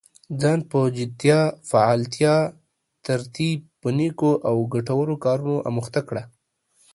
ځان په جديت، فعاليتا، ترتيب په نيکو او ګټورو کارونو اموخته کړه.